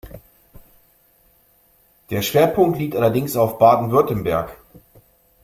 Der Schwerpunkt liegt allerdings auf Baden-Württemberg.